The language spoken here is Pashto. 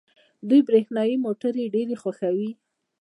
دوی برښنايي موټرې ډېرې خوښوي.